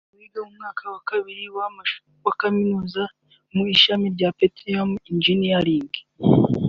Emmy wiga mu mwaka wa kabiri wa Kaminuza mu ishami rya Petroleum Engineering